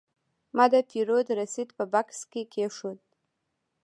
ما د پیرود رسید په بکس کې کېښود.